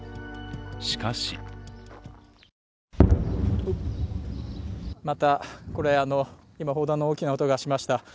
しかしまたこれ、今、砲弾の大きな音がしました。